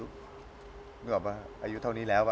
หมายถึงบอกว่าอายุเท่านี้แล้วอ่ะ